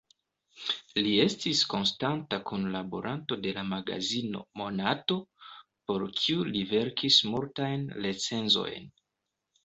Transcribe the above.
Li estis konstanta kunlaboranto de la magazino "Monato", por kiu li verkis multajn recenzojn.